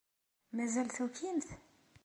Mazal tukimt?